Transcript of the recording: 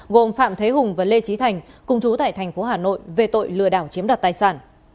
gồm phạm thế hùng và lê trí thành cùng chú tại thành phố hà nội về tội lừa đảo chiếm đoạt tài sản